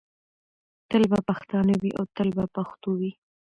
تل به پښتانه وي او تل به پښتو وي.